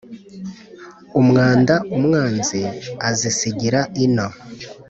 Umwanda umwanzi azisigira ino